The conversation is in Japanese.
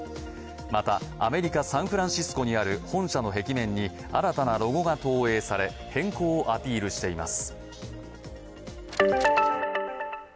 また、アメリカ・サンフランシスコにある本社の壁面に新たなロゴが投影され、変更をアピールしています。